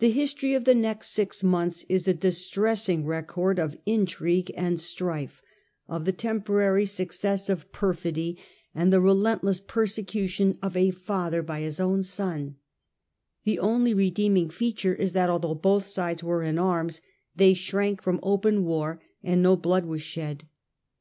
The history of the next six months is a distressing record of intrigue and strife, of the temporary success Digitized by VjOOQIC The Last Years of Henry IV. 179 of perfidy, and the relentless persecntion of a father by his own son. The only redeeming feature is that, although both sides were in arms, they shrank from open war, and no blood was shed.